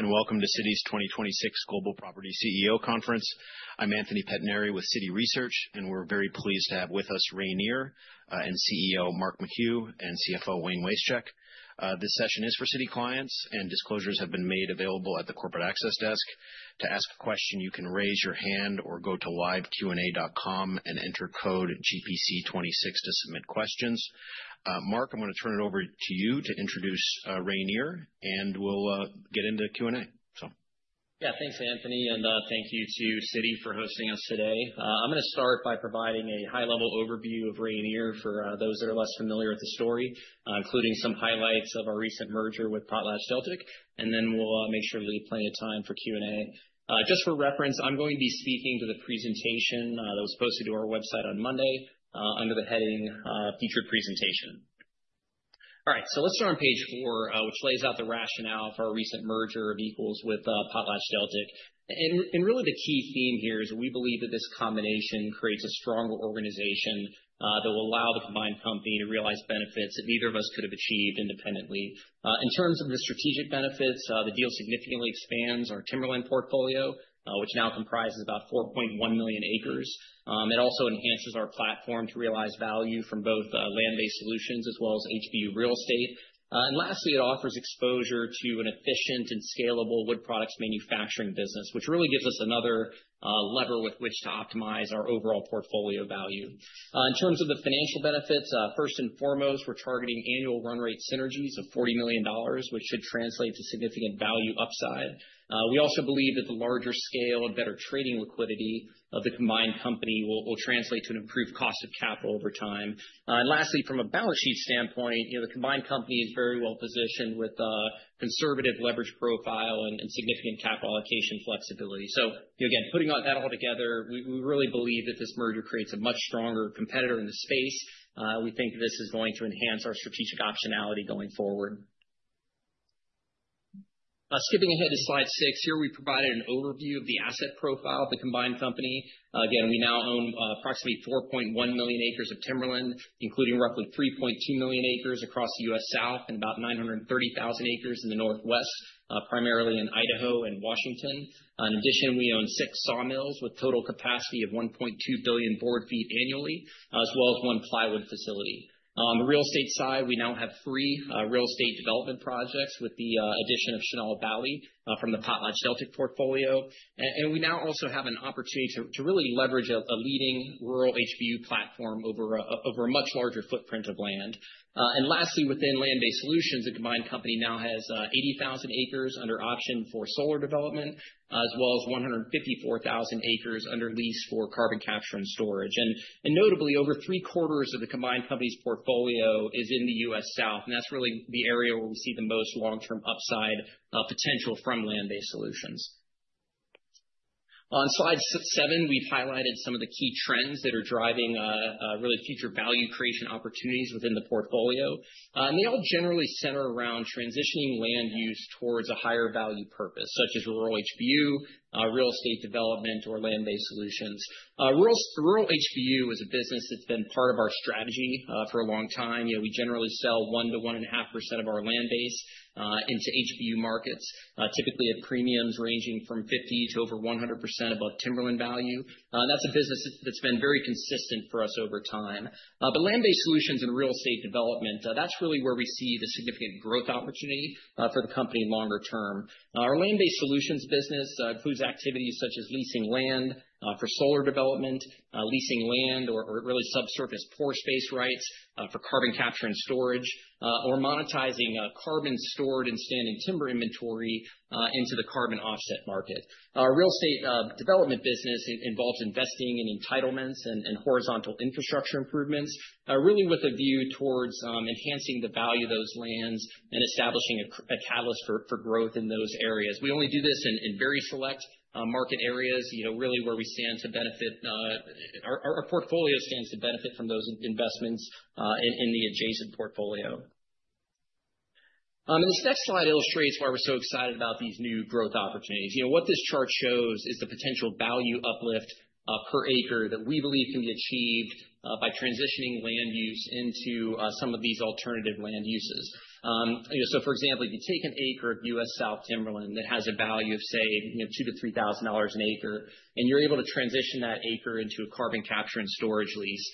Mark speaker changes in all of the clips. Speaker 1: Welcome to Citi's 2026 Global Property CEO Conference. I'm Anthony Pettinari with Citi Research, and we're very pleased to have with us Rayonier, and CEO Mark McHugh and CFO Wayne Wasechek. This session is for Citi clients, and disclosures have been made available at the corporate access desk. To ask a question, you can raise your hand or go to liveqa.com and enter code GPC26 to submit questions. Mark, I'm gonna turn it over to you to introduce Rayonier, and we'll get into the Q&A.
Speaker 2: Yeah. Thanks, Anthony, and thank you to Citi for hosting us today. I'm gonna start by providing a high level overview of Rayonier for those that are less familiar with the story, including some highlights of our recent merger with PotlatchDeltic, and then we'll make sure to leave plenty of time for Q&A. Just for reference, I'm going to be speaking to the presentation that was posted to our website on Monday, under the heading, Future Presentation. All right, so let's start on page 4, which lays out the rationale for our recent merger of equals with PotlatchDeltic. Really the key theme here is we believe that this combination creates a stronger organization that will allow the combined company to realize benefits that neither of us could have achieved independently. In terms of the strategic benefits, the deal significantly expands our timberland portfolio, which now comprises about 4.1 million acres. It also enhances our platform to realize value from both land-based solutions as well as HBU real estate. And lastly, it offers exposure to an efficient and scalable wood products manufacturing business, which really gives us another lever with which to optimize our overall portfolio value. In terms of the financial benefits, first and foremost, we're targeting annual run rate synergies of $40 million, which should translate to significant value upside. We also believe that the larger scale and better trading liquidity of the combined company will translate to an improved cost of capital over time. Lastly, from a balance sheet standpoint, you know, the combined company is very well positioned with a conservative leverage profile and significant capital allocation flexibility. Again, putting all that all together, we really believe that this merger creates a much stronger competitor in the space. We think this is going to enhance our strategic optionality going forward. Skipping ahead to slide six. Here we provided an overview of the asset profile of the combined company. Again, we now own approximately 4.1 million acres of timberland, including roughly 3.2 million acres across the U.S. South and about 930,000 acres in the Northwest, primarily in Idaho and Washington. In addition, we own six sawmills with total capacity of 1.2 billion board feet annually, as well as one plywood facility. On the real estate side, we now have three real estate development projects with the addition of Chenal Valley from the PotlatchDeltic portfolio. We now also have an opportunity to really leverage a leading rural HBU platform over a much larger footprint of land. Lastly, within land-based solutions, the combined company now has 80,000 acres under option for solar development, as well as 154,000 acres under lease for carbon capture and storage. Notably, over three-quarters of the combined company's portfolio is in the U.S. South, and that's really the area where we see the most long-term upside potential from land-based solutions. On slide seven, we've highlighted some of the key trends that are driving really future value creation opportunities within the portfolio. They all generally center around transitioning land use towards a higher value purpose, such as rural HBU, real estate development or land-based solutions. Rural HBU is a business that's been part of our strategy for a long time. You know, we generally sell 1% to 1.5% of our land base into HBU markets, typically at premiums ranging from 50% to over 100% above timberland value. That's a business that's been very consistent for us over time. Land-based solutions and real estate development, that's really where we see the significant growth opportunity for the company longer term. Our land-based solutions business includes activities such as leasing land for solar development, leasing land or really subsurface pore space rights for carbon capture and storage, or monetizing carbon stored in standing timber inventory into the carbon offset market. Our real estate development business involves investing in entitlements and horizontal infrastructure improvements really with a view towards enhancing the value of those lands and establishing a catalyst for growth in those areas. We only do this in very select market areas, you know, really where we stand to benefit. Our portfolio stands to benefit from those investments in the adjacent portfolio. This next slide illustrates why we're so excited about these new growth opportunities. You know, what this chart shows is the potential value uplift per acre that we believe can be achieved by transitioning land use into some of these alternative land uses. You know, for example, if you take an acre of U.S. South timberland that has a value of, say, you know, $2,000-$3,000 an acre, and you're able to transition that acre into a carbon capture and storage lease,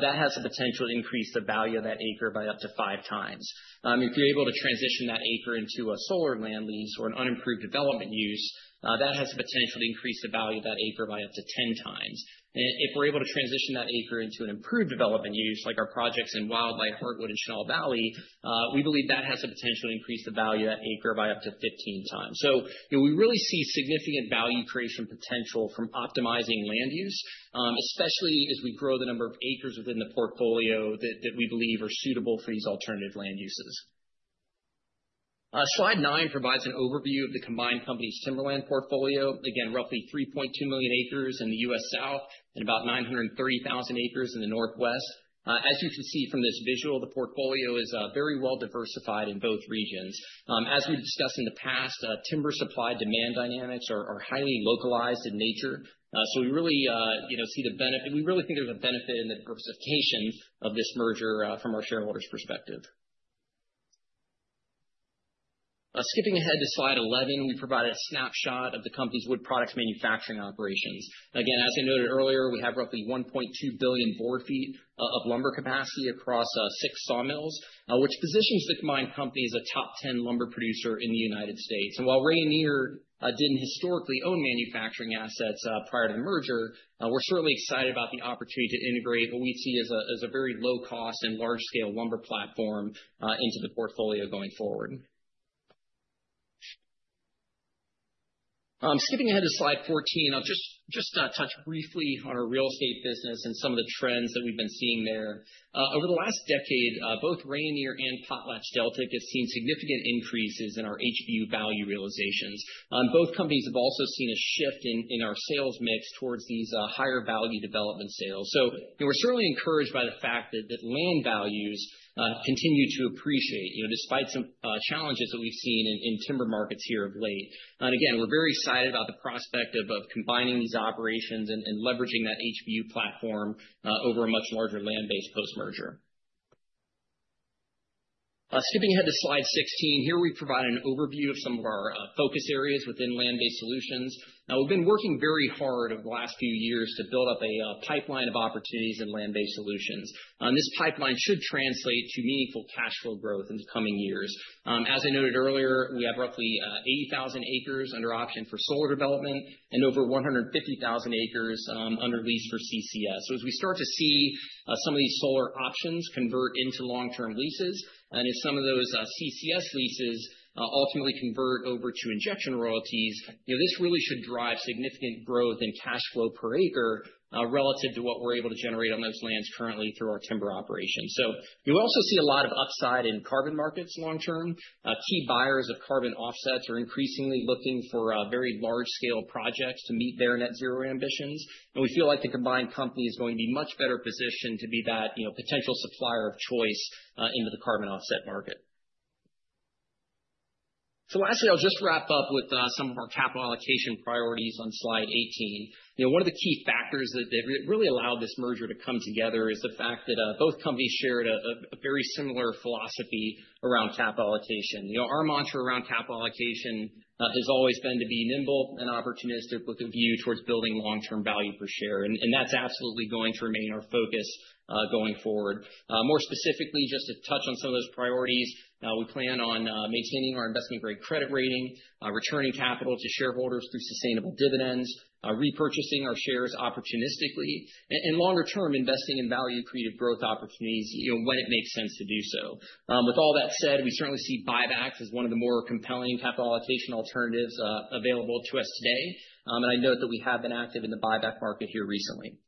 Speaker 2: that has the potential to increase the value of that acre by up to five times. If you're able to transition that acre into a solar land lease or an unimproved development use, that has the potential to increase the value of that acre by up to 10 times. If we're able to transition that acre into an improved development use, like our projects in Wildlight, Heartwood, and Chenal Valley, we believe that has the potential to increase the value of that acre by up to 15 times. You know, we really see significant value creation potential from optimizing land use, especially as we grow the number of acres within the portfolio that we believe are suitable for these alternative land uses. Slide nine provides an overview of the combined company's timberland portfolio. Again, roughly 3.2 million acres in the U.S. South and about 930,000 acres in the Northwest. As you can see from this visual, the portfolio is very well diversified in both regions. As we've discussed in the past, timber supply-demand dynamics are highly localized in nature. We really, you know, we really think there's a benefit in the diversification of this merger from our shareholders' perspective. Skipping ahead to slide 11, we provide a snapshot of the company's wood products manufacturing operations. Again, as I noted earlier, we have roughly 1.2 billion board feet of lumber capacity across six sawmills, which positions the combined company as a top 10 lumber producer in the United States. While Rayonier didn't historically own manufacturing assets prior to the merger, we're certainly excited about the opportunity to integrate what we see as a very low cost and large scale lumber platform into the portfolio going forward. Skipping ahead to slide 14, I'll just touch briefly on our real estate business and some of the trends that we've been seeing there. Over the last decade, both Rayonier and PotlatchDeltic have seen significant increases in our HBU value realizations. Both companies have also seen a shift in our sales mix towards these higher value development sales. You know, we're certainly encouraged by the fact that land values continue to appreciate, you know, despite some challenges that we've seen in timber markets here of late. Again, we're very excited about the prospect of combining these operations and leveraging that HBU platform over a much larger land base post-merger. Skipping ahead to slide 16, here we provide an overview of some of our focus areas within land-based solutions. We've been working very hard over the last few years to build up a pipeline of opportunities in land-based solutions. This pipeline should translate to meaningful cash flow growth in the coming years. As I noted earlier, we have roughly 80,000 acres under option for solar development and over 150,000 acres under lease for CCS. As we start to see some of these solar options convert into long-term leases, and as some of those CCS leases ultimately convert over to injection royalties, you know, this really should drive significant growth in cash flow per acre relative to what we're able to generate on those lands currently through our timber operations. We also see a lot of upside in carbon markets long term. Key buyers of carbon offsets are increasingly looking for very large scale projects to meet their net zero ambitions, and we feel like the combined company is going to be much better positioned to be that, you know, potential supplier of choice into the carbon offset market. Lastly, I'll just wrap up with some of our capital allocation priorities on slide 18. You know, one of the key factors that really allowed this merger to come together is the fact that both companies shared a very similar philosophy around capital allocation. You know, our mantra around capital allocation has always been to be nimble and opportunistic with a view towards building long-term value per share. That's absolutely going to remain our focus going forward. More specifically, just to touch on some of those priorities, we plan on maintaining our investment-grade credit rating, returning capital to shareholders through sustainable dividends, repurchasing our shares opportunistically and longer term, investing in value creative growth opportunities, you know, when it makes sense to do so. With all that said, we certainly see buybacks as one of the more compelling capital allocation alternatives available to us today. I note that we have been active in the buyback market here recently.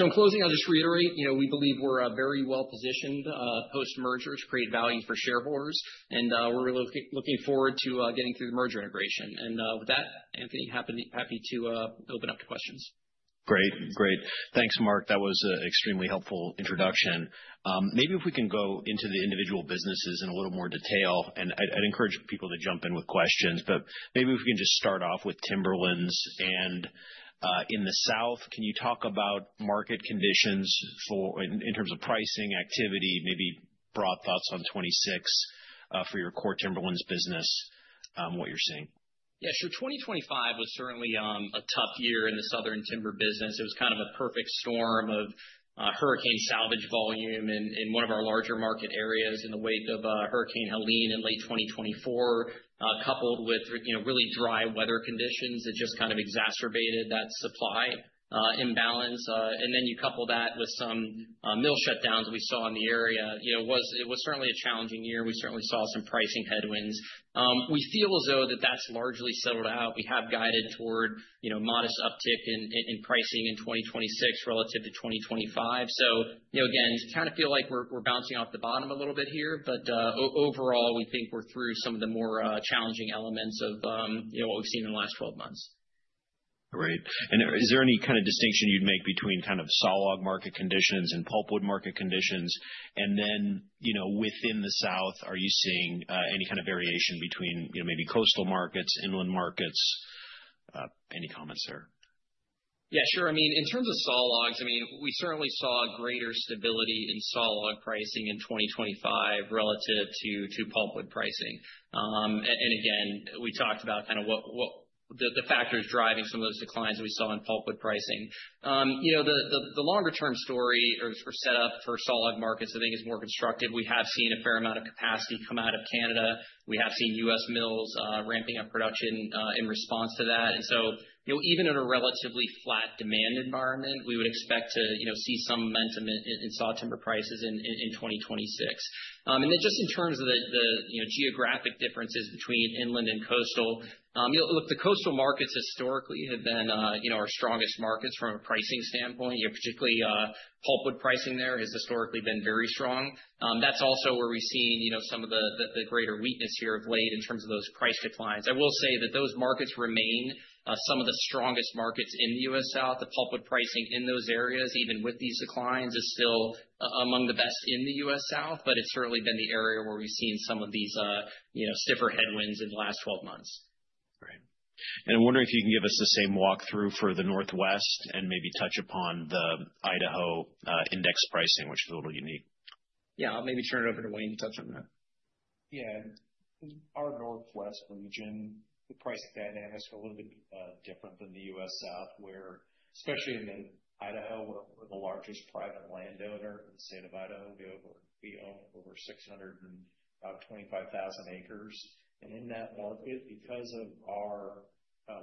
Speaker 2: In closing, I'll just reiterate, you know, we believe we're very well positioned post-merger to create value for shareholders, and we're looking forward to getting through the merger integration. With that, Anthony, happy to open up to questions.
Speaker 1: Great. Thanks, Mark. That was an extremely helpful introduction. Maybe if we can go into the individual businesses in a little more detail, and I'd encourage people to jump in with questions. Maybe if we can just start off with timberlands and in the South, can you talk about market conditions for in terms of pricing, activity, maybe broad thoughts on 2026 for your core timberlands business, what you're seeing?
Speaker 2: Yeah, sure. 2025 was certainly a tough year in the southern timber business. It was kind of a perfect storm of hurricane salvage volume in one of our larger market areas in the wake of Hurricane Helene in late 2024, coupled with, you know, really dry weather conditions that just kind of exacerbated that supply imbalance. You couple that with some mill shutdowns we saw in the area. You know, it was certainly a challenging year. We certainly saw some pricing headwinds. We feel as though that that's largely settled out. We have guided toward, you know, modest uptick in pricing in 2026 relative to 2025. You know, again, just kinda feel like we're bouncing off the bottom a little bit here, but overall, we think we're through some of the more challenging elements of, you know, what we've seen in the last 12 months.
Speaker 1: Right. Is there any kind of distinction you'd make between kind of sawlog market conditions and pulpwood market conditions? Then, you know, within the South, are you seeing any kind of variation between, you know, maybe coastal markets, inland markets? Any comments there?
Speaker 2: Yeah, sure. I mean, in terms of sawlogs, I mean, we certainly saw greater stability in sawlog pricing in 2025 relative to pulpwood pricing. Again, we talked about kind of what the factors driving some of those declines we saw in pulpwood pricing. You know, the longer term story or set up for sawlog markets I think is more constructive. We have seen a fair amount of capacity come out of Canada. We have seen U.S. mills ramping up production in response to that. You know, even in a relatively flat demand environment, we would expect to, you know, see some momentum in sawtimber prices in 2026. Just in terms of you know, geographic differences between inland and coastal, you know, look, the coastal markets historically have been, you know, our strongest markets from a pricing standpoint. You know, particularly, pulpwood pricing there has historically been very strong. That's also where we've seen, you know, some of the greater weakness here of late in terms of those price declines. I will say that those markets remain some of the strongest markets in the U.S. South. The pulpwood pricing in those areas, even with these declines, is still among the best in the U.S. South, but it's certainly been the area where we've seen some of these, you know, stiffer headwinds in the last 12 months.
Speaker 1: I'm wondering if you can give us the same walk through for the Northwest and maybe touch upon the Idaho index pricing, which is a little unique.
Speaker 2: Yeah. I'll maybe turn it over to Wayne to touch on that.
Speaker 3: Yeah. Our Northwest region, the pricing dynamics are a little bit different than the U.S. South, where, especially in Idaho, we're the largest private landowner in the state of Idaho. We own over 625,000 acres. In that market, because of our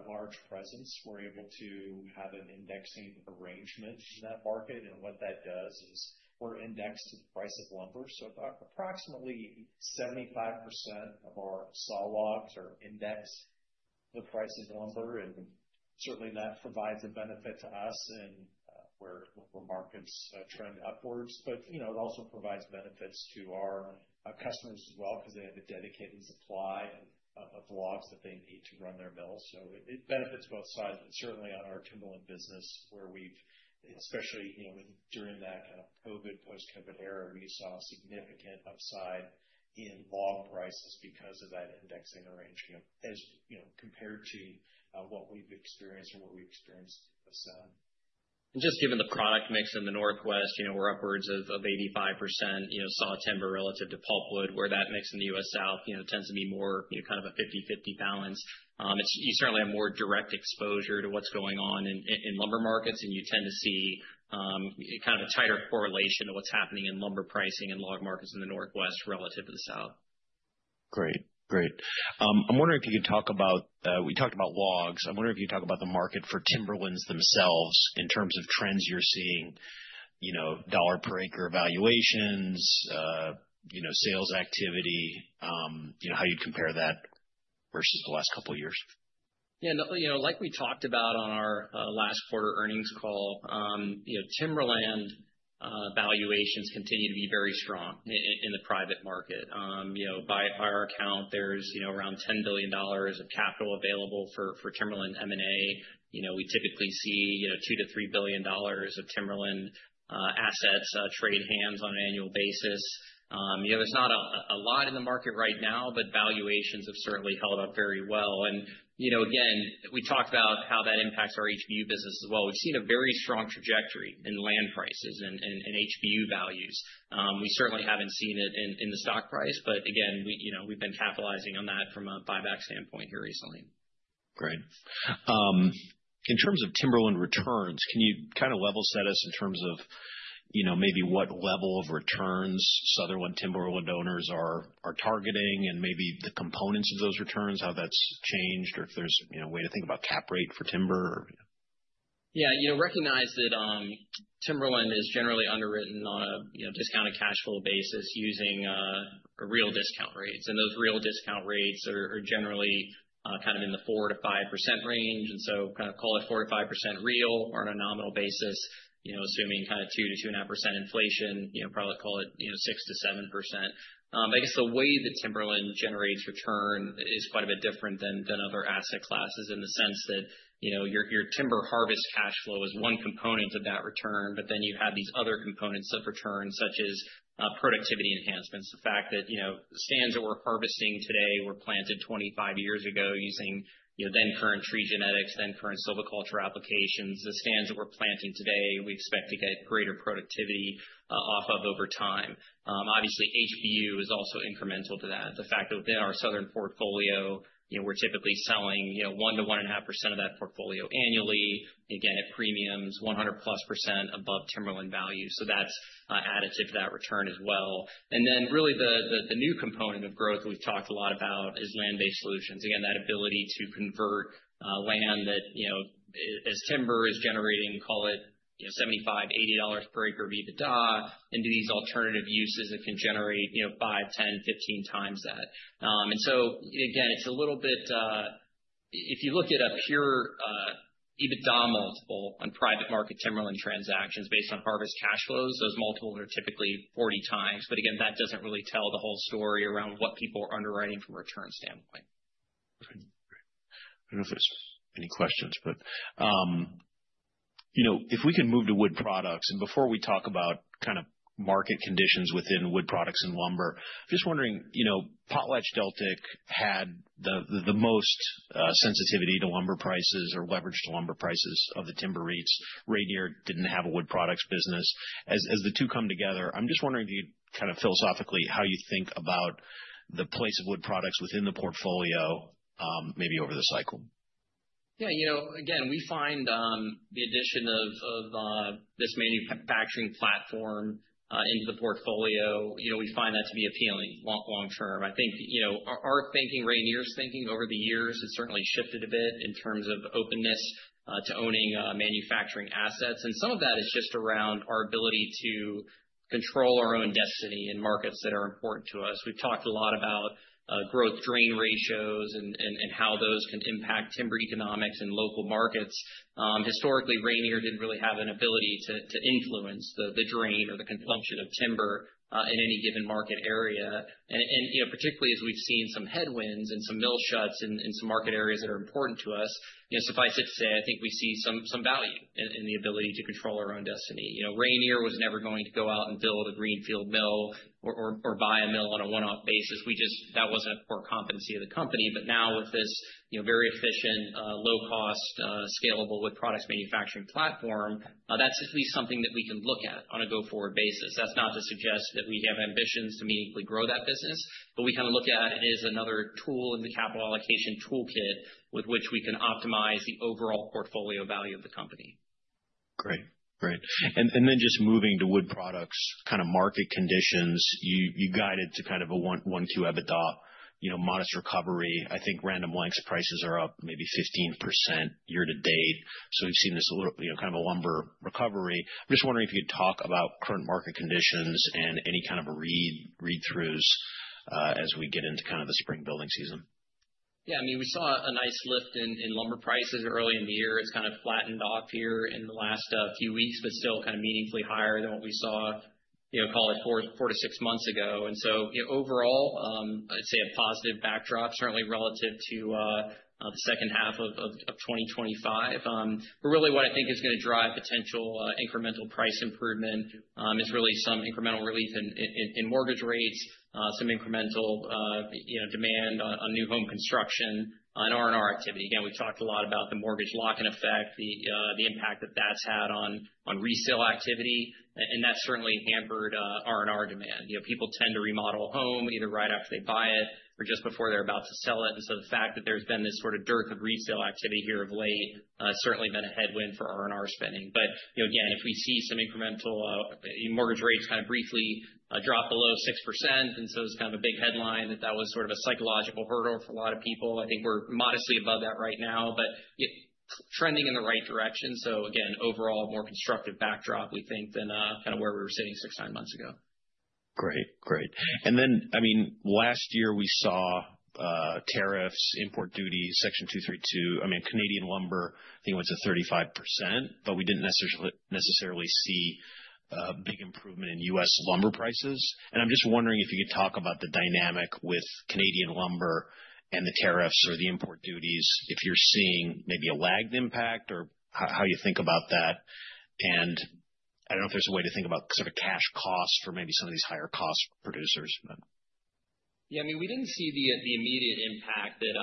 Speaker 3: large presence, we're able to have an indexing arrangement in that market. What that does is we're indexed to the price of lumber. About approximately 75% of our sawlogs are indexed to the price of lumber, and certainly that provides a benefit to us and where markets trend upwards. You know, it also provides benefits to our customers as well because they have a dedicated supply of logs that they need to run their mills. It benefits both sides, certainly on our timberland business, where we've, especially, you know, during that kind of COVID, post-COVID era, we saw significant upside in log prices because of that indexing arrangement as, you know, compared to what we've experienced with some.
Speaker 2: Just given the product mix in the Northwest, you know, we're upwards of 85%, you know, sawtimber relative to pulpwood, where that mix in the U.S. South, you know, tends to be more, you know, kind of a 50/50 balance. You certainly have more direct exposure to what's going on in lumber markets, and you tend to see, kind of a tighter correlation to what's happening in lumber pricing in log markets in the Northwest relative to the South.
Speaker 1: Great. Great. I'm wondering if you could talk about, we talked about logs. I'm wondering if you could talk about the market for timberlands themselves in terms of trends you're seeing, you know, dollar per acre valuations, you know, sales activity, you know, how you compare that versus the last couple of years.
Speaker 2: Yeah. You know, like we talked about on our last quarter earnings call, you know, timberland valuations continue to be very strong in the private market. You know, by our account, there's, you know, around $10 billion of capital available for timberland M&A. You know, we typically see, you know, $2 billion-$3 billion of timberland assets trade hands on an annual basis. You know, there's not a lot in the market right now, but valuations have certainly held up very well. You know, again, we talked about how that impacts our HBU business as well. We've seen a very strong trajectory in land prices and HBU values. We certainly haven't seen it in the stock price. Again, we, you know, we've been capitalizing on that from a buyback standpoint here recently.
Speaker 1: Great. In terms of timberland returns, can you kind of level set us in terms of, you know, maybe what level of returns Southern wood timberland owners are targeting and maybe the components of those returns, how that's changed, or if there's, you know, a way to think about cap rate for timber?
Speaker 2: You know, recognize that, timberland is generally underwritten on a, you know, discounted cash flow basis using real discount rates. Those real discount rates are generally kind of in the 4%-5% range. Call it 4%-5% real or on a nominal basis, you know, assuming kind of 2%-2.5% inflation, you know, probably call it, you know, 6%-7%. I guess the way that timberland generates return is quite a bit different than other asset classes in the sense that, you know, your timber harvest cash flow is one component of that return, but then you have these other components of return, such as productivity enhancements. The fact that, you know, the stands that we're harvesting today were planted 25 years ago using, you know, then current tree genetics, then current silviculture applications. The stands that we're planting today, we expect to get greater productivity off of over time. Obviously, HBU is also incremental to that. The fact that within our Southern portfolio, you know, we're typically selling, you know, 1% to one and a half percent of that portfolio annually, again, at premiums 100+% above timberland value. That's added to that return as well. Really the new component of growth we've talked a lot about is land-based solutions. That ability to convert, land that, you know, as timber is generating, call it, you know, $75-$80 per acre EBITDA into these alternative uses that can generate, you know, 5, 10, 15 times that. It's a little bit, if you look at a pure EBITDA multiple on private market timberland transactions based on harvest cash flows, those multiples are typically 40 times. That doesn't really tell the whole story around what people are underwriting from a return standpoint.
Speaker 1: I don't know if there's any questions. You know, if we can move to wood products. Before we talk about kind of market conditions within wood products and lumber, just wondering, you know, PotlatchDeltic had the most sensitivity to lumber prices or leverage to lumber prices of the timber REITs. Rayonier didn't have a wood products business. As the two come together, I'm just wondering if you kind of philosophically how you think about the place of wood products within the portfolio, maybe over the cycle?
Speaker 2: Yeah. You know, again, we find the addition of this manufacturing platform into the portfolio, you know, we find that to be appealing long term. I think, you know, our thinking, Rayonier's thinking over the years has certainly shifted a bit in terms of openness to owning manufacturing assets. Some of that is just around our ability to control our own destiny in markets that are important to us. We've talked a lot about growth-to-drain ratios and how those can impact timber economics in local markets. Historically, Rayonier didn't really have an ability to influence the drain or the consumption of timber in any given market area. You know, particularly as we've seen some headwinds and some mill shuts in some market areas that are important to us, you know, suffice it to say, I think we see some value in the ability to control our own destiny. You know, Rayonier was never going to go out and build a greenfield mill or buy a mill on a one-off basis. That wasn't a core competency of the company. Now with this, you know, very efficient, low cost, scalable wood products manufacturing platform, that's at least something that we can look at on a go-forward basis. That's not to suggest that we have ambitions to meaningfully grow that business, but we kind of look at it as another tool in the capital allocation toolkit with which we can optimize the overall portfolio value of the company.
Speaker 1: Great. Great. Then just moving to wood products kind of market conditions. You guided to kind of a $112 million EBITDA, you know, modest recovery. I think Random Lengths prices are up maybe 15% year-to-date. We've seen this a little, you know, kind of a lumber recovery. I'm just wondering if you'd talk about current market conditions and any kind of read-throughs as we get into kind of the spring building season.
Speaker 2: Yeah, I mean, we saw a nice lift in lumber prices early in the year. It's kind of flattened off here in the last few weeks, but still kind of meaningfully higher than what we saw, you know, call it four to six months ago. You know, overall, I'd say a positive backdrop certainly relative to the second half of 2025. Really what I think is gonna drive potential incremental price improvement is really some incremental relief in mortgage rates, some incremental, you know, demand on new home construction, on R&R activity. Again, we've talked a lot about the mortgage lock-in effect, the impact that that's had on resale activity, and that's certainly hampered R&R demand. You know, people tend to remodel a home either right after they buy it or just before they're about to sell it. The fact that there's been this sort of dearth of resale activity here of late, certainly been a headwind for R&R spending. You know, again, if we see some incremental, you know, mortgage rates kind of briefly drop below 6%, and so it's kind of a big headline that that was sort of a psychological hurdle for a lot of people. I think we're modestly above that right now, but trending in the right direction. Again, overall more constructive backdrop, we think, than kind of where we were sitting six, nine months ago.
Speaker 1: Great. Great. I mean, last year we saw tariffs, import duty, Section 232. I mean, Canadian lumber, I think, went to 35%, but we didn't necessarily see big improvement in U.S. lumber prices. I'm just wondering if you could talk about the dynamic with Canadian lumber and the tariffs or the import duties, if you're seeing maybe a lagged impact or how you think about that. I don't know if there's a way to think about sort of cash costs for maybe some of these higher cost producers.
Speaker 2: Yeah. I mean, we didn't see the immediate impact that,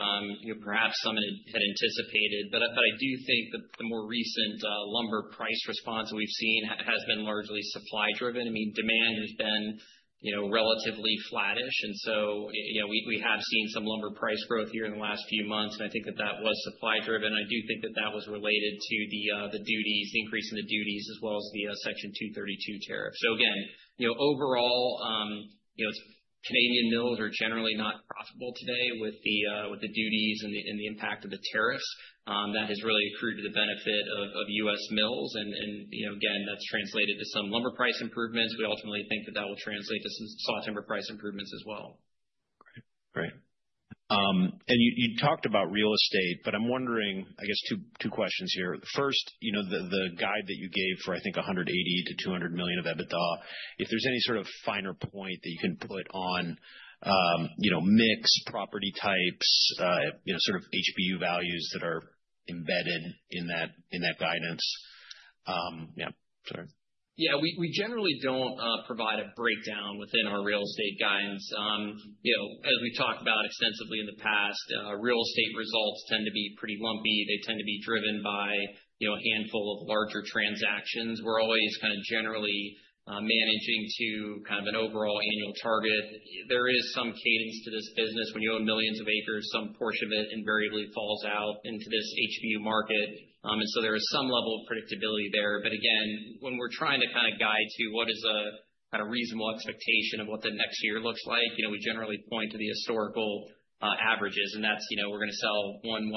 Speaker 2: you know, perhaps some had anticipated, but I do think the more recent lumber price response we've seen has been largely supply driven. I mean, demand has been, you know, relatively flattish. You know, we have seen some lumber price growth here in the last few months, and I think that that was supply driven. I do think that that was related to the duties, the increase in the duties as well as the Section 232 tariff. Again, you know, overall, you know, Canadian mills are generally not profitable today with the duties and the impact of the tariffs, that has really accrued to the benefit of U.S. mills. You know, again, that's translated to some lumber price improvements. We ultimately think that that will translate to sawtimber price improvements as well.
Speaker 1: Great. Great. You talked about real estate, but I'm wondering, I guess two questions here. First, you know, the guide that you gave for I think $180 million-$200 million of EBITDA, if there's any sort of finer point that you can put on, you know, mix, property types, you know, sort of HBU values that are embedded in that guidance. Yeah, sure.
Speaker 2: Yeah, we generally don't provide a breakdown within our real estate guidance. You know, as we talked about extensively in the past, real estate results tend to be pretty lumpy. They tend to be driven by, you know, a handful of larger transactions. We're always kind of generally managing to kind of an overall annual target. There is some cadence to this business. When you own millions of acres, some portion of it invariably falls out into this HBU market. There is some level of predictability there. Again, when we're trying to kind of guide to what is a, kind of reasonable expectation of what the next year looks like, you know, we generally point to the historical averages, and that's, you know, we're gonna sell 1.5%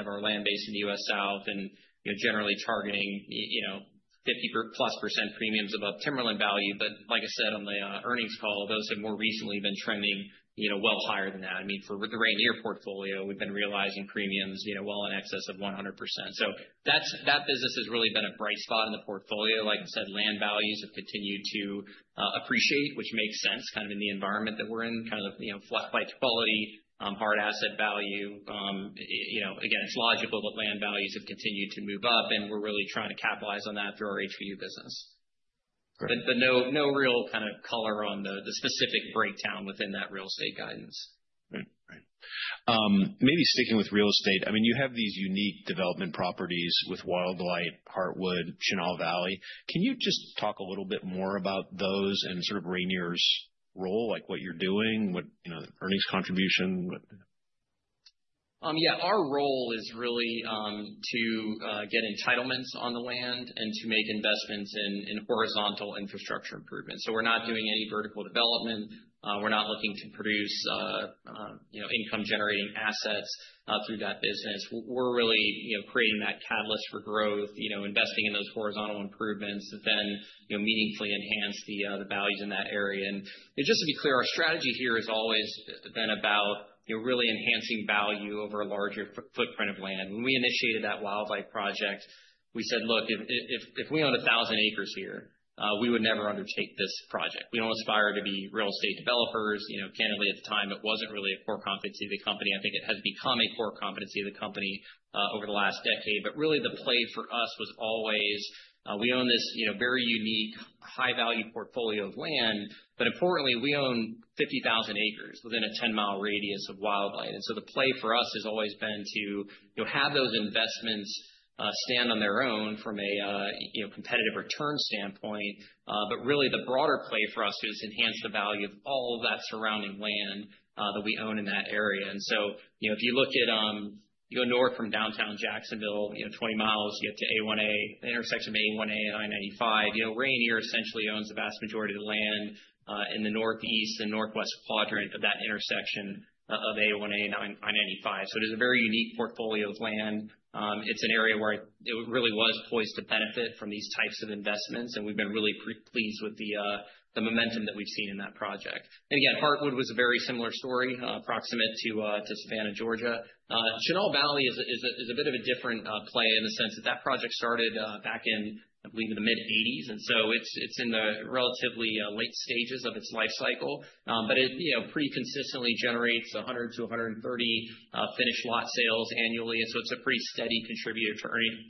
Speaker 2: of our land base in the U.S. South and, you know, generally targeting, you know, 50+% premiums above timberland value. Like I said on the earnings call, those have more recently been trending, you know, well higher than that. I mean, for with the Rayonier portfolio, we've been realizing premiums, you know, well in excess of 100%. That business has really been a bright spot in the portfolio. Like I said, land values have continued to appreciate, which makes sense kind of in the environment that we're in, kind of, you know, flight to quality, hard asset value. You know, again, it's logical that land values have continued to move up. We're really trying to capitalize on that through our HBU business.
Speaker 1: Great.
Speaker 2: No real kind of color on the specific breakdown within that real estate guidance.
Speaker 1: Right. Right. Maybe sticking with real estate, I mean, you have these unique development properties with Wildlight, Heartwood, Chenal Valley. Can you just talk a little bit more about those and sort of Rayonier's role, like what you're doing, what, you know, the earnings contribution?
Speaker 2: Yeah, our role is really to get entitlements on the land and to make investments in horizontal infrastructure improvements. We're not doing any vertical development. We're not looking to produce, you know, income-generating assets through that business. We're really, you know, creating that catalyst for growth, you know, investing in those horizontal improvements that then, you know, meaningfully enhance the values in that area. Just to be clear, our strategy here has always been about, you know, really enhancing value over a larger footprint of land. When we initiated that Wildlight project, we said, "Look, if we own 1,000 acres here, we would never undertake this project." We don't aspire to be real estate developers. You know, candidly, at the time, it wasn't really a core competency of the company. I think it has become a core competency of the company, over the last decade. Really the play for us was always, we own this, you know, very unique high-value portfolio of land, but importantly, we own 50,000 acres within a 10-mile radius of Wildlight. The play for us has always been to, you know, have those investments, stand on their own from a, you know, competitive return standpoint. Really the broader play for us is enhance the value of all of that surrounding land, that we own in that area. You know, if you look at, you go north from downtown Jacksonville, you know, 20 miles, you get to A1A, the intersection of A1A and I-95. You know, Rayonier essentially owns the vast majority of the land in the northeast and northwest quadrant of that intersection of A1A and I-95. It is a very unique portfolio of land. It's an area where it really was poised to benefit from these types of investments, and we've been really pleased with the momentum that we've seen in that project. Again, Heartwood was a very similar story, approximate to Savannah, Georgia. Chenal Valley is a bit of a different play in the sense that that project started back in, I believe, in the mid-1980s. It's in the relatively, late stages of its life cycle. But it, you know, pretty consistently generates 100 to 130 finished lot sales annually. It's a pretty steady contributor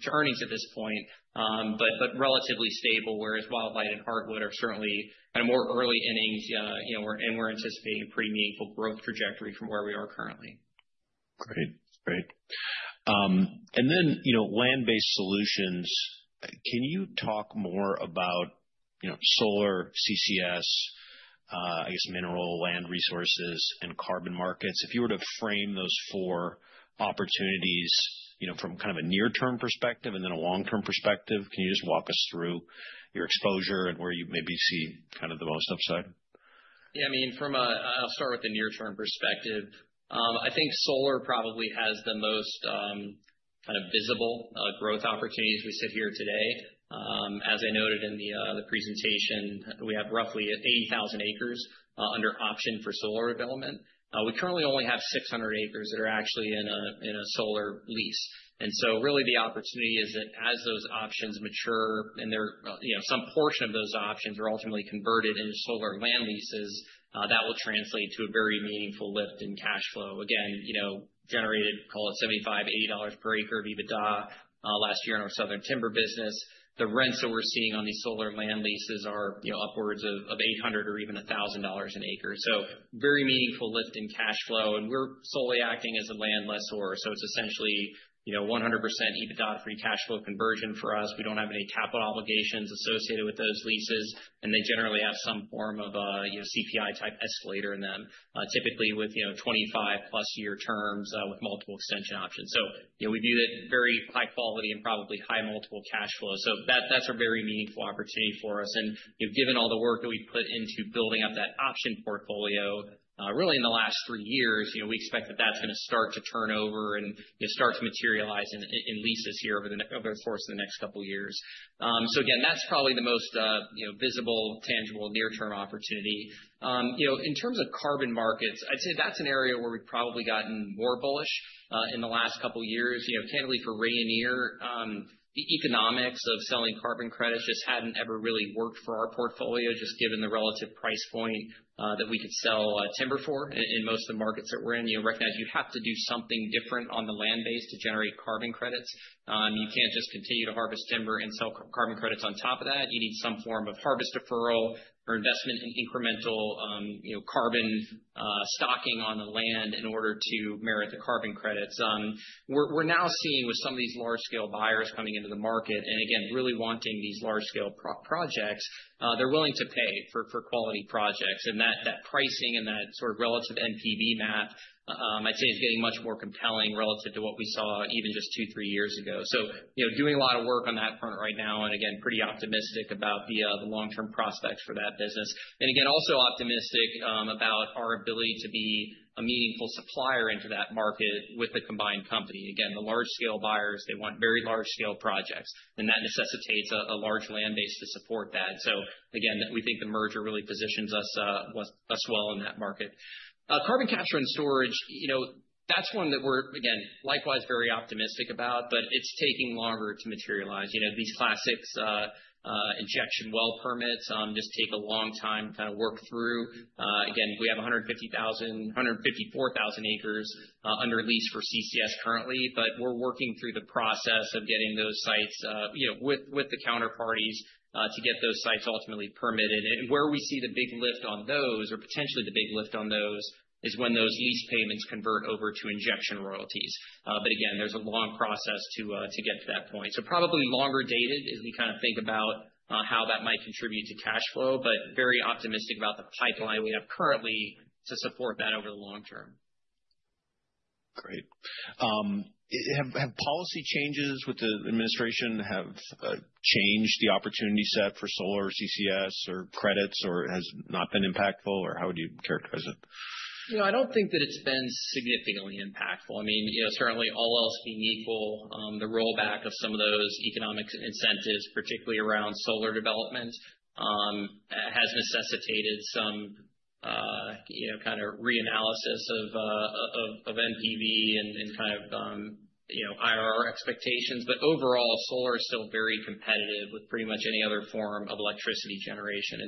Speaker 2: to earnings at this point, but relatively stable, whereas Wildlight and Heartwood are certainly in a more early innings, you know, and we're anticipating a pretty meaningful growth trajectory from where we are currently.
Speaker 1: Great. Great. You know, land-based solutions. Can you talk more about, you know, solar CCS, I guess mineral land resources and carbon markets? If you were to frame those four opportunities, you know, from kind of a near-term perspective and then a long-term perspective, can you just walk us through your exposure and where you maybe see kind of the most upside?
Speaker 2: Yeah. I mean, I'll start with the near-term perspective. I think solar probably has the most kind of visible growth opportunity as we sit here today. As I noted in the presentation, we have roughly 80,000 acres under option for solar development. We currently only have 600 acres that are actually in a solar lease. Really the opportunity is that as those options mature and they're, you know, some portion of those options are ultimately converted into solar land leases, that will translate to a very meaningful lift in cash flow. Again, you know, generated call it $75-$80 per acre of EBITDA last year in our southern timber business. The rents that we're seeing on these solar land leases are, you know, upwards of 800 or even $1,000 an acre. Very meaningful lift in cash flow, and we're solely acting as a landlord. It's essentially, you know, 100% EBITDA-free cash flow conversion for us. We don't have any capital obligations associated with those leases, and they generally have some form of, you know, CPI-type escalator in them, typically with, you know, 25-plus year terms, with multiple extension options. We view that very high quality and probably high multiple cash flow. That's a very meaningful opportunity for us. You know, given all the work that we've put into building up that option portfolio, really in the last three years, you know, we expect that that's gonna start to turn over and, you know, start to materialize in leases here over the course of the next couple years. Again, that's probably the most, you know, visible, tangible near-term opportunity. You know, in terms of carbon markets, I'd say that's an area where we've probably gotten more bullish in the last couple years. You know, candidly, for Rayonier, the economics of selling carbon credits just hadn't ever really worked for our portfolio, just given the relative price point that we could sell timber in most of the markets that we're in. You know, recognize you have to do something different on the land base to generate carbon credits. You can't just continue to harvest timber and sell carbon credits on top of that. You need some form of harvest deferral or investment in incremental, you know, carbon stocking on the land in order to merit the carbon credits. We're now seeing with some of these large scale buyers coming into the market, and again, really wanting these large scale projects, they're willing to pay for quality projects. That pricing and that sort of relative NPV map, I'd say is getting much more compelling relative to what we saw even just two to three years ago. You know, doing a lot of work on that front right now, and again, pretty optimistic about the long-term prospects for that business. Again, also optimistic about our ability to be a meaningful supplier into that market with the combined company. The large scale buyers, they want very large scale projects, and that necessitates a large land base to support that. Again, we think the merger really positions us well in that market. Carbon capture and storage, you know, that's one that we're, again, likewise very optimistic about, but it's taking longer to materialize. You know, these Class VI injection well permits just take a long time to kind of work through. Again, we have 154,000 acres under lease for CCS currently, but we're working through the process of getting those sites, you know, with the counterparties to get those sites ultimately permitted. Where we see the big lift on those or potentially the big lift on those is when those lease payments convert over to injection royalties. Again, there's a long process to get to that point. Probably longer dated as we kind of think about how that might contribute to cash flow, but very optimistic about the pipeline we have currently to support that over the long term.
Speaker 1: Great. Have policy changes with the administration have changed the opportunity set for solar CCS or credits, or has it not been impactful, or how would you characterize it?
Speaker 2: You know, I don't think that it's been significantly impactful. I mean, you know, certainly all else being equal, the rollback of some of those economic incentives, particularly around solar development, has necessitated some, you know, kind of re-analysis of NPV and kind of, you know, IRR expectations. Overall, solar is still very competitive with pretty much any other form of electricity generation.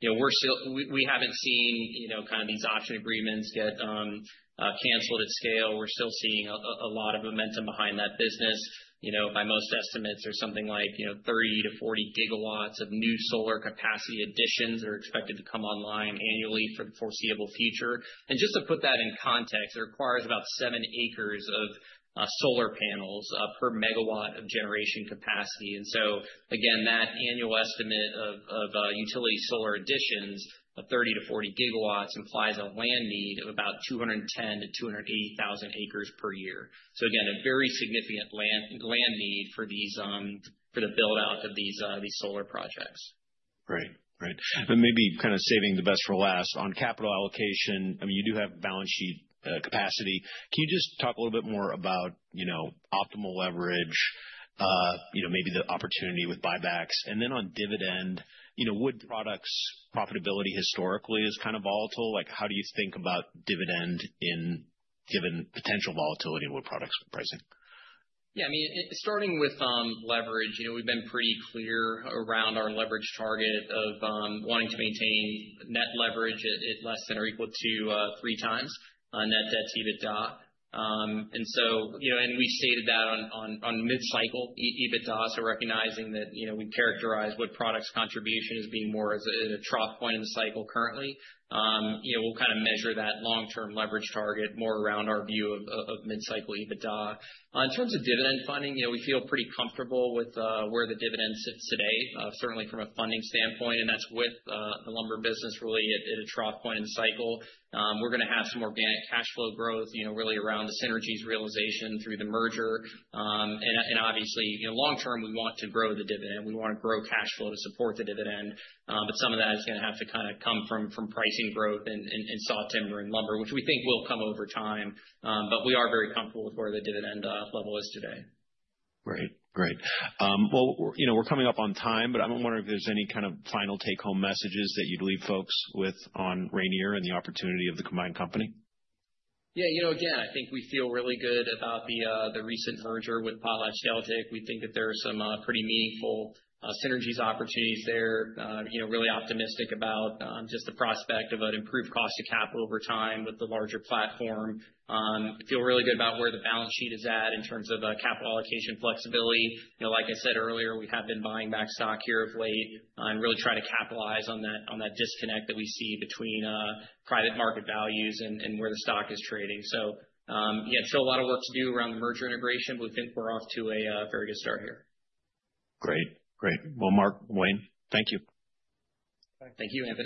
Speaker 2: You know, we haven't seen, you know, kind of these option agreements get canceled at scale. We're still seeing a lot of momentum behind that business. You know, by most estimates, there's something like, you know, 30 to 40 gigawatts of new solar capacity additions are expected to come online annually for the foreseeable future. Just to put that in context, it requires about seven acres of solar panels per megawatt of generation capacity. Again, that annual estimate of utility solar additions of 30-40 gigawatts implies a land need of about 210,000-280,000 acres per year. Again, a very significant land need for these for the build-out of these solar projects.
Speaker 1: Right. Right. Maybe kind of saving the best for last. On capital allocation, I mean, you do have balance sheet capacity. Can you just talk a little bit more about, you know, optimal leverage, you know, maybe the opportunity with buybacks? Then on dividend, you know, wood products profitability historically is kind of volatile. Like, how do you think about dividend given potential volatility in wood products with pricing?
Speaker 2: Yeah, I mean, starting with leverage, you know, we've been pretty clear around our leverage target of wanting to maintain net leverage at less than or equal to three times on net debt-to-EBITDA. You know, we stated that on mid-cycle EBITDA, so recognizing that, you know, we characterize wood products contribution as being more as a, in a trough point in the cycle currently. You know, we'll kind of measure that long-term leverage target more around our view of mid-cycle EBITDA. In terms of dividend funding, you know, we feel pretty comfortable with where the dividend sits today, certainly from a funding standpoint, and that's with the lumber business really at a trough point in the cycle. We're gonna have some organic cash flow growth, you know, really around the synergies realization through the merger. Obviously, you know, long term, we want to grow the dividend. We wanna grow cash flow to support the dividend. Some of that is gonna have to kinda come from pricing growth in sawtimber and lumber, which we think will come over time. We are very comfortable with where the dividend level is today.
Speaker 1: Great. Great. Well, you know, we're coming up on time. I'm wondering if there's any kind of final take-home messages that you'd leave folks with on Rayonier and the opportunity of the combined company.
Speaker 2: Yeah, you know, again, I think we feel really good about the recent merger with PotlatchDeltic. We think that there are some pretty meaningful synergies opportunities there. You know, really optimistic about just the prospect of an improved cost to capital over time with the larger platform. Feel really good about where the balance sheet is at in terms of capital allocation flexibility. You know, like I said earlier, we have been buying back stock here of late and really trying to capitalize on that disconnect that we see between private market values and where the stock is trading. Still a lot of work to do around the merger integration. We think we're off to a very good start here.
Speaker 1: Great. Great. Well, Mark, Wayne, thank you.
Speaker 2: Thank you, Anthony.